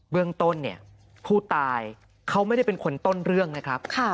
เรื่องต้นเนี่ยผู้ตายเขาไม่ได้เป็นคนต้นเรื่องนะครับ